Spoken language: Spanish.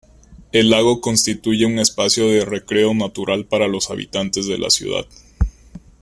El lago constituye un espacio de recreo natural para los habitantes de la ciudad.